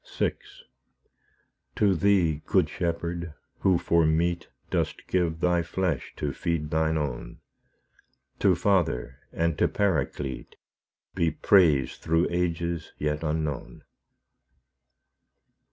VI To Thee, Good Shepherd, who for meat Dost give Thy flesh to feed Thine own, To Father, and to Paraclete, Be praise through ages yet unknown.